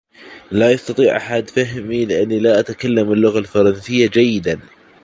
لا يستطيع أحد فهمي لأني لا أتكلم اللغة الفرنسية جيداً.